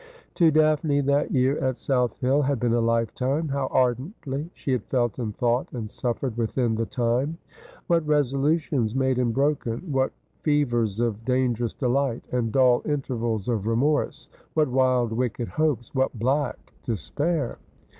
To Daphne that year at South Hill had been a lifetime. How ardently she had felt and thought and suffered within the time ; what resolutions made and broken ; what fevers of dan gerous delight, and dull intervals of remorse ; what wild wicked hopes ; what black despair